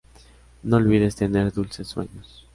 No olvides tener Dulces sueños.